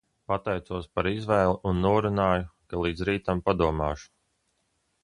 Pateicos par viņa izvēli un norunāju, ka līdz rītam padomāšu.